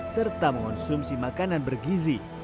serta mengonsumsi makanan bergizi